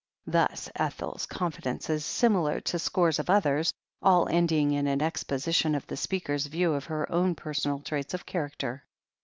Thus Ethel's confidences, similar to scores of others, all ending in an exposition of the speaker's view of her own personal traits of character.